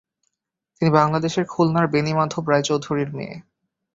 তিনি বাংলাদেশের খুলনার বেণীমাধব রায়চৌধুরীর মেয়ে।